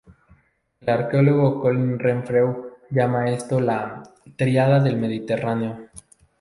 El arqueólogo Colin Renfrew llama a esto la "tríada del Mediterráneo".